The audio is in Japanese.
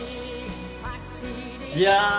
じゃーん！